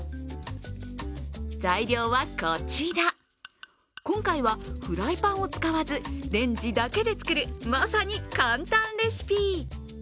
材料はこちら、今回はフライパンを使わず、レンジだけで作るまさに簡単レシピ。